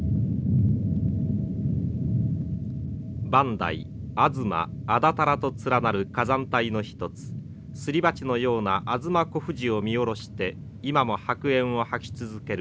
磐梯吾妻安達太良と連なる火山帯の一つすり鉢のような吾妻小富士を見下ろして今も白煙を吐き続ける